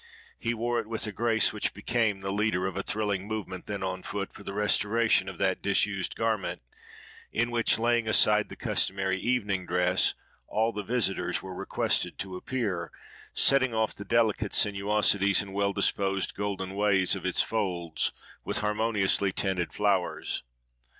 He wore it with a grace which became the leader of a thrilling movement then on foot for the restoration of that disused garment, in which, laying aside the customary evening dress, all the visitors were requested to appear, setting off the delicate sinuosities and well disposed "golden ways" of its folds, with harmoniously tinted flowers.